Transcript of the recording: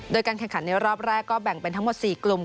โดยการแข่งขันในรอบแรกก็แบ่งเป็นทั้งหมด๔กลุ่ม